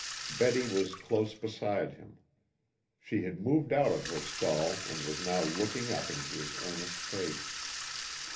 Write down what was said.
Betty was close beside him. She had moved out of her stall and was now looking up into his earnest face.